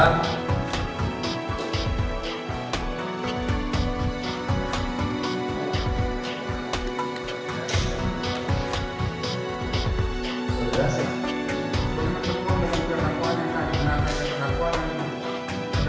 renang tuannya kita